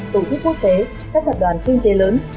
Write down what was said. tổ chức quốc tế các tập đoàn kinh tế lớn